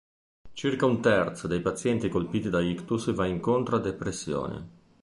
Circa un terzo dei pazienti colpiti da ictus va incontro a depressione.